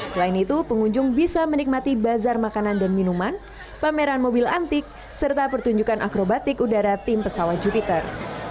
selain itu pengunjung bisa menikmati bazar makanan dan minuman pameran mobil antik serta pertunjukan akrobatik udara tim pesawat jupiter